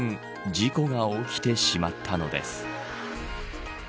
事故が起きてしまったのです。